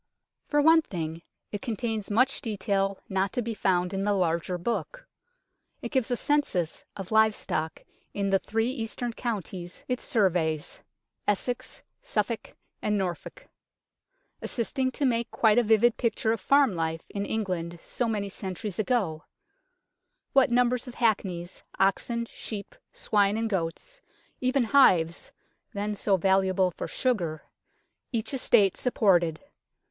For one thing, it contains much detail not to be found in the larger book. It gives a census of live stock in the three eastern counties it surveys Essex, Suffolk and Norfolk assisting to make quite a vivid picture of farm life in England so many centuries ago ; what numbers of hackneys, oxen, sheep, swine and goats, even hives (then so valuable for sugar) each estate supported.